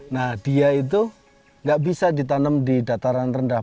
nah dia itu nggak bisa ditanam di dataran rendah